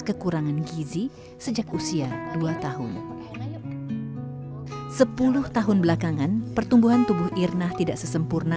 kekurangan gizi sejak usia dua tahun sepuluh tahun belakangan pertumbuhan tubuh irna tidak sesempurna